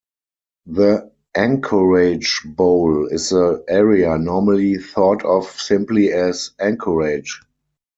The "Anchorage Bowl" is the area normally thought of simply as Anchorage.